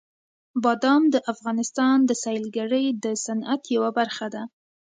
بادام د افغانستان د سیلګرۍ د صنعت یوه برخه ده.